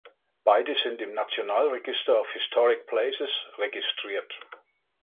Beide sind im National Register of Historic Places registriert.